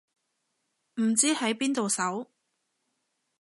唔知喺邊度搜